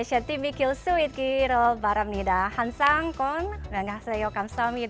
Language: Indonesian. terima kasih juga